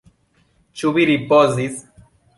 Ĉu vi ripozis?